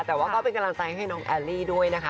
แต่ว่าก็เป็นกำลังใจให้น้องแอลลี่ด้วยนะคะ